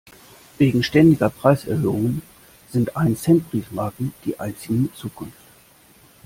Wegen ständiger Preiserhöhungen sind Ein-Cent-Briefmarken die einzigen mit Zukunft.